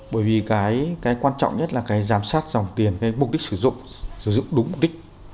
bởi vì cái quan trọng nhất là cái giám sát dòng tiền mục đích sử dụng sử dụng đúng mục đích